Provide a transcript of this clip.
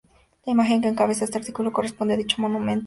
La imagen que encabeza este artículo corresponde a dicho monumento.